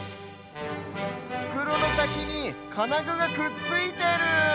ふくろのさきにかなぐがくっついてる！